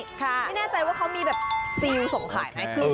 ไม่แน่ใจว่าเขามีแบบซิลส่งขายไหม